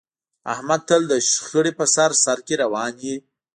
احمد تل د شخړې په سر سرکې روان وي.